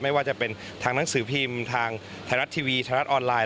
ไม่ว่าจะเป็นทางหนังสือพิมพ์ทางไทยรัฐทีวีไทยรัฐออนไลน